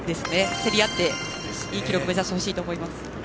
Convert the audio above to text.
競り合って、いい記録目指してほしいと思います。